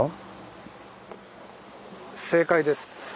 正解です。